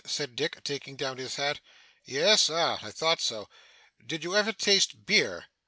said Dick, taking down his hat. 'Yes? Ah! I thought so. Did you ever taste beer?